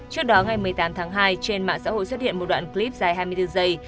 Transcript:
trước đó ngày một mươi tám tháng hai trên mạng xã hội xuất hiện một đoạn clip dài hai mươi bốn giây